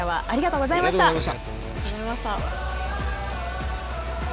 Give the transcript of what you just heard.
今夜はありがとうございました。